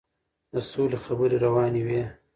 د سولې خبرې روانې وې.